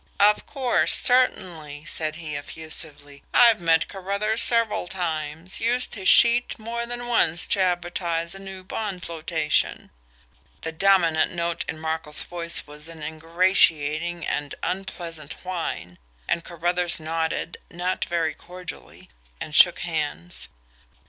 "Of course, certainly," said he effusively. "I've met Carruthers several times used his sheet more than once to advertise a new bond flotation." The dominant note in Markel's voice was an ingratiating and unpleasant whine, and Carruthers nodded, not very cordially and shook hands.